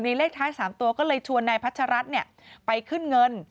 ทีนี้เลขท้ายสามตัวก็เลยชวนนายพัชรัฐเนี่ยไปขึ้นเงิน